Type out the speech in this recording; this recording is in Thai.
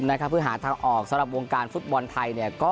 สำหรับวงการฟุตบอลไทย